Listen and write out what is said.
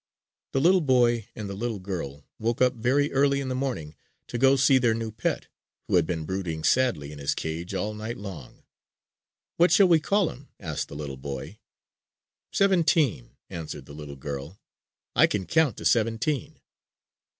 The little boy and the little girl woke up very early in the morning to go to see their new pet, who had been brooding sadly in his cage all night long. "What shall we call him?" asked the little boy. "Seventeen," answered the little girl. "I can count to seventeen!"